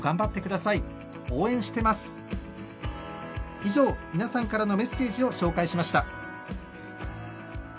以上、皆さんからのメッセージを紹介しました。